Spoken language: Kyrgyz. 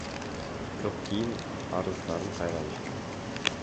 Бирок кийин арыздарын кайра алышкан.